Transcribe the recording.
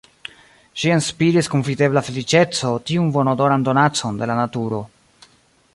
Ŝi enspiris kun videbla feliĉeco tiun bonodoran donacon de la naturo.